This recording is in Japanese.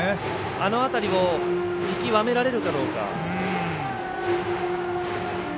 あの辺りを見極められるかどうか。